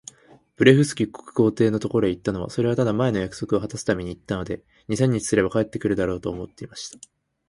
ブレフスキュ国皇帝のところへ行ったのは、それはただ、前の約束をはたすために行ったので、二三日すれば帰って来るだろう、と思っていました。